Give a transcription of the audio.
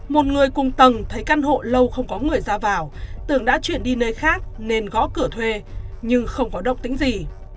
một người cùng tầng thấy căn hộ lâu không có người ra vào tưởng đã chuyển đi nơi khác nên gõ cửa thuê nhưng không có độc tính gì